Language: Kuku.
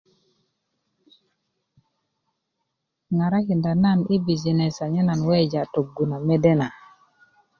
ŋarakinda nan yi bujines anyen nan weweja tögu na mede na